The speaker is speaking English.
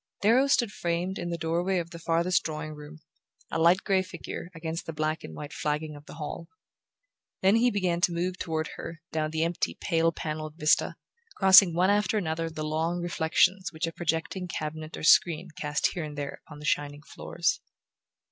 Darrow stood framed in the door way of the farthest drawing room, a light grey figure against the black and white flagging of the hall; then he began to move toward her down the empty pale panelled vista, crossing one after another the long reflections which a projecting cabinet or screen cast here and there upon the shining floors.